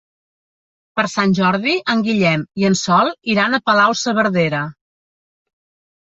Per Sant Jordi en Guillem i en Sol iran a Palau-saverdera.